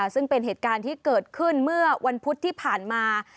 ซึ่งเป็นเหตุการณ์ที่เกิดขึ้นเมื่อวันพุธที่ผ่านมา